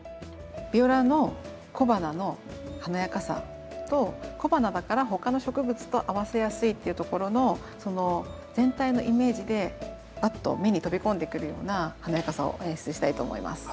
ビオラの小花の華やかさと小花だから他の植物と合わせやすいっていうところのその全体のイメージでバッと目に飛び込んでくるような華やかさを演出したいと思います。